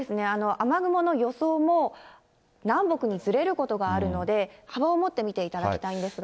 雨雲の予想も、南北にずれることがあるので、幅を持って見ていただきたいんですが。